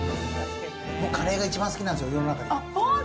僕、カレーが一番好きなんですよ、世の中で。